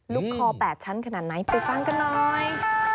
คอ๘ชั้นขนาดไหนไปฟังกันหน่อย